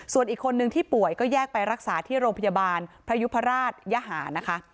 ส่วนอีกคนนึงที่ป่วยก็แยกไปรักษาที่โรงพยาบาลพระยุพราชยหานะคะ